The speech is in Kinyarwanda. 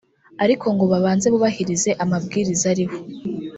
ariko ngo babanze bubahirize amabwiriza ariho